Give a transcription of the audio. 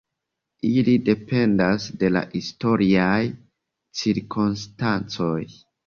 Ili dependas de la historiaj cirkonstancoj.